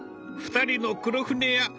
２人の「黒船屋」